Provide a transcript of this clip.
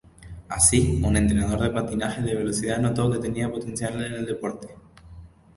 Así, un entrenador de patinaje de velocidad notó que tenía potencial en el deporte.